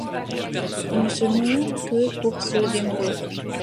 Il ne se noue que pour se dénouer.